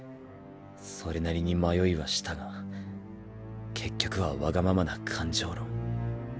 それなりに迷いはしたが結局はわがままな感情論。